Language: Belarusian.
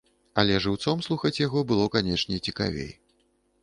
Але жыўцом слухаць яго было, канечне, цікавей.